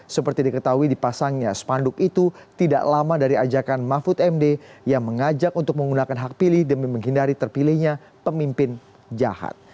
seperti diketahui dipasangnya spanduk itu tidak lama dari ajakan mahfud md yang mengajak untuk menggunakan hak pilih demi menghindari terpilihnya pemimpin jahat